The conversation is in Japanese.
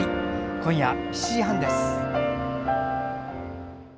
今夜７時半です。